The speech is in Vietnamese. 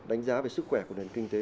đánh giá về sức khỏe của nền kinh tế